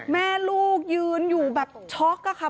แม่ลูกยืนอยู่แบบช็อกอะค่ะ